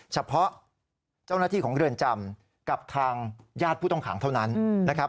เฉพาะเจ้าหน้าที่ของเรือนจำกับทางญาติผู้ต้องขังเท่านั้นนะครับ